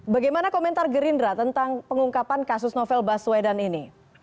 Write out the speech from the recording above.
bagaimana komentar gerindra tentang pengungkapan kasus novel baswedan ini